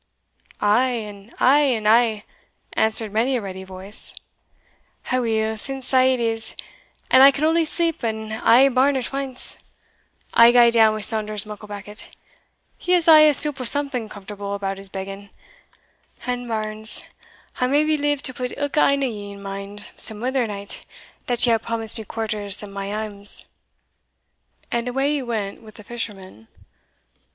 "I," "and I," "and I," answered many a ready voice. "Aweel, since sae it is, and I can only sleep in ae barn at ance, I'll gae down with Saunders Mucklebackit he has aye a soup o' something comfortable about his begging and, bairns, I'll maybe live to put ilka ane o' ye in mind some ither night that ye hae promised me quarters and my awmous;" and away he went with the fisherman.